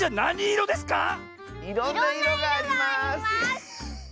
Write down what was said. いろんないろがあります！